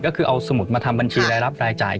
ก็คือเอาสมุดมาทำบัญชีรายรับรายจ่าย